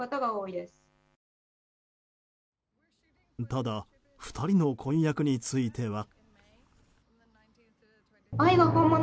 ただ、２人の婚約については。